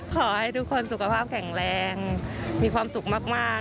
ขอให้ทุกคนสุขภาพแข็งแรงมีความสุขมาก